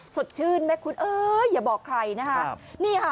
สดชื่นไหมคุณเอ้ยอย่าบอกใครนะคะ